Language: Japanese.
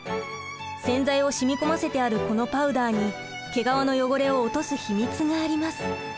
洗剤を染み込ませてあるこのパウダーに毛皮の汚れを落とす秘密があります。